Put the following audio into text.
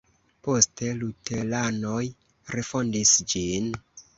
Poste luteranoj refondis ĝin.